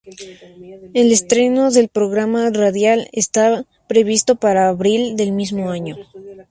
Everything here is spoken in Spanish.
El estreno del programa radial está previsto para abril del mismo año.